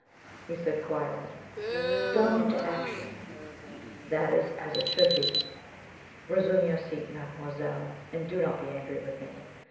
he said quietly; "stung into action. That is as it should be. Resume your seat, mademoiselle, and do not be angry with me.